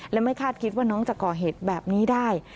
และไม่คาดคิดว่าน้องจะก่อเหตุแบบนี้ได้